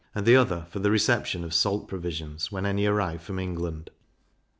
and the other for the reception of salt provisions, when any arrive from England.